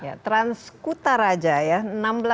ya transkutaraja ya